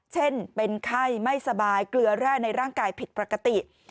เช่นเป็นไข้ไม่สบายเกลือแร่ในร่างกายผิดปกติ